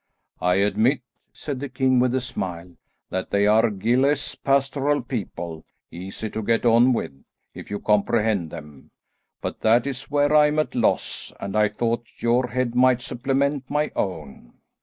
"I admit," said the king with a smile, "that they are a guileless pastoral people, easy to get on with if you comprehend them, but that is where I'm at a loss, and I thought your head might supplement my own."